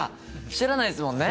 知らないっすもんね。